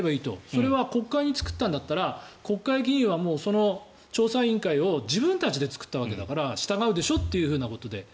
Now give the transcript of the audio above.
それは国会に作ったんだったら国会議員はその調査委員会を自分たちで作ったわけだから従うでしょってことで。